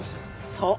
そう。